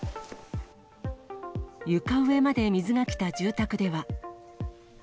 床上まで水が来た住宅では。